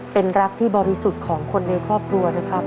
เป็นรักที่บริสุทธิ์ของคนในครอบครัวนะครับ